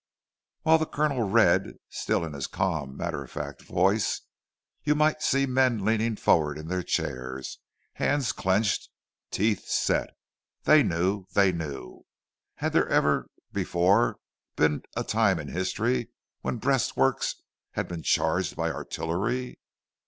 While the Colonel read, still in his calm, matter of fact voice, you might see men leaning forward in their chairs, hands clenched, teeth set. They knew! They knew! Had there ever before been a time in history when breastworks had been charged by artillery?